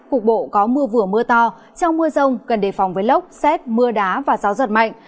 cục bộ có mưa vừa mưa to trong mưa rông cần đề phòng với lốc xét mưa đá và gió giật mạnh